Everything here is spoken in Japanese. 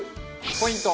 ポイント。